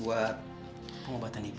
buat pengobatan ibu